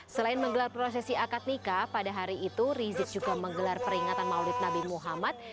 selain menggelar prosesi akad nikah pada hari itu rizik juga menggelar peringatan maulid nabi muhammad